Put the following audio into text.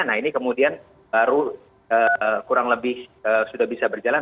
nah ini kemudian baru kurang lebih sudah bisa berjalan